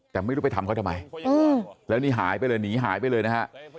แต่ไม่รู้ไปทำเขาทำไมแล้วนี่หายไปเลยหนีหายไปเลยนะฮะ